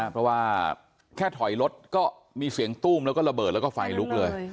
เพราะว่าแค่ถอยรถก็มีเสียงตู้มแล้วก็ระเบิดแล้วก็ไฟลุกเลย